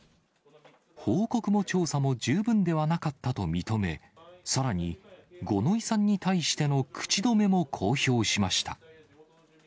報告も調査も十分ではなかったと認め、さらに五ノ井さんに対しての口止めも公表しました。